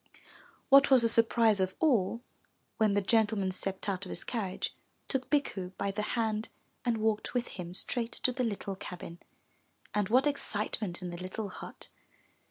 What was the surprise of all, when the gentleman stepped out of his carriage, took Bikku by the hand and walked with him straight to the little cabin, and what excitement in the little hut!